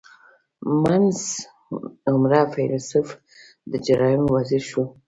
• منځ عمره فېلېسوف د جرایمو وزیر شو.